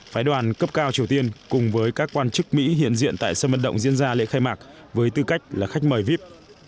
phái đoàn cấp cao triều tiên cùng với các quan chức mỹ hiện diện tại sân vận động diễn ra lễ khai mạc với tư cách là khách mời vip